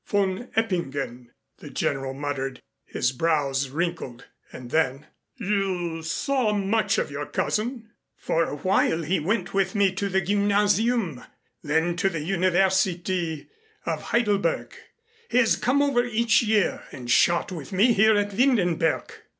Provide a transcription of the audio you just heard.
Von Eppingen " the General muttered, his brows wrinkled. And then, "You saw much of your cousin?" "For a while he went with me to the gymnasium, then to the University of Heidelberg. He has come over each year and shot with me here at Windenberg."